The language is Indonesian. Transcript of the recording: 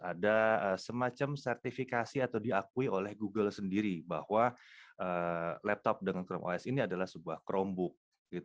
ada semacam sertifikasi atau diakui oleh google sendiri bahwa laptop dengan chrome os ini adalah sebuah chromebook